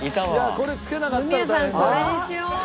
これつけなかったら大変だな。